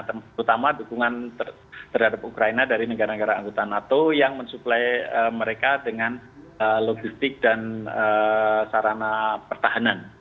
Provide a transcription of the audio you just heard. terutama dukungan terhadap ukraina dari negara negara anggota nato yang mensuplai mereka dengan logistik dan sarana pertahanan